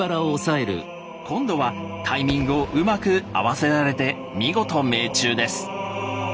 今度はタイミングをうまく合わせられて見事命中です。